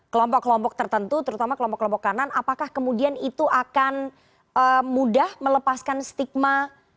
kelompok kelompok tertentu terutama kelompok kelompok kanan apakah kemudian itu akan mudah melepaskan stigma